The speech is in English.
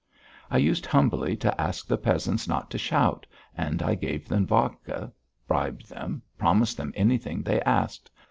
I used humbly to ask the peasants not to shout, and I gave them vodka, bribed them, promised them anything they asked.